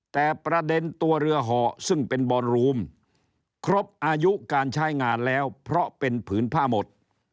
แต่ประเด็นตัวเรือห่อซึ่งเป็นบอลรูมครบอายุการใช้งานแล้วเพราะเป็นผืนผ้าหมด